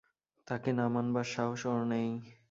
তাঁকে না মানবার সাহস ওঁর নেই।